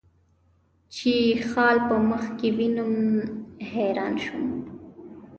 چې یې خال په مخ کې وینم، حیران شوم.